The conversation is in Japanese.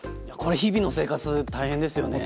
日々の生活、大変ですね。